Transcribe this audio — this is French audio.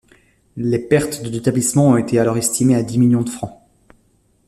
Les pertes de l'établissement ont été alors estimées à dix millions de francs.